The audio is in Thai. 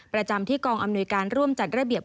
ประจำที่กองอำนวยการร่วมจัดระเบียบ